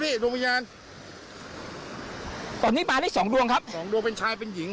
เห็นมาเรื่อง